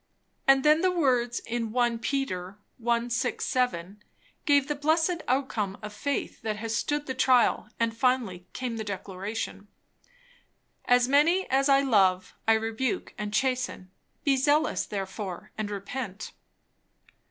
And then the words in 1 Peter i. 6, 7, gave the blessed outcome of faith that has stood the trial; and finally came the declaration "As many as I love, I rebuke and chasten; be zealous therefore, and repent."